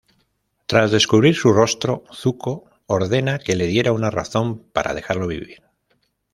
Tras descubrir su rostro, Zuko ordena que le diera una razón para dejarlo vivir.